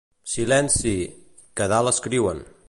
Silenci, que a dalt escriuen!